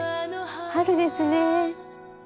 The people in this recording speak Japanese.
春ですね。